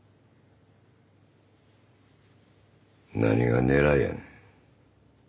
何が狙いやねん。